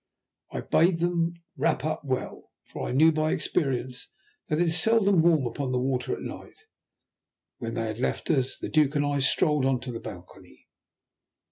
I bade them wrap up well, for I knew by experience that it is seldom warm upon the water at night. When they had left us the Duke and I strolled into the balcony.